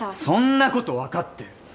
そんなことわかってる。